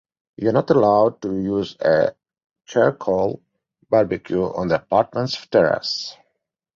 You are not allowed to use a charcoal barbeque on the apartment’s terrace.